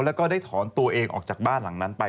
แล้วก็ได้ถอนตัวเองออกจากบ้านหลังนั้นไป